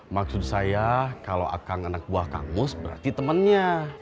maksud saya kalau akang anak buah kangus berarti temennya